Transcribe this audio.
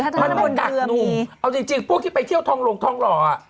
ถ้าทางน้องดิวมีเอาจริงจริงพวกที่ไปเที่ยวทองโรงทองหล่ออ่ะ